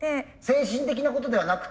精神的なことではなくってね